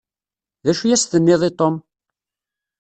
D acu i as-tenniḍ i Tom?